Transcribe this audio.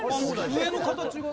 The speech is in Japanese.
上の形が。